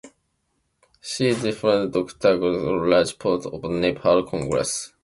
She defeated Doctor Govinda Raj Pokharel of Nepali Congress.